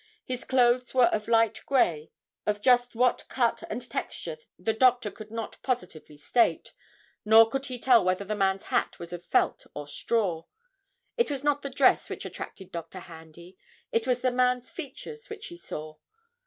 His clothes were of light gray of just what cut and texture the doctor could not positively state; nor could he tell whether the man's hat was of felt or straw. It was not the dress which attracted Dr. Handy, it was the man's features, which he saw.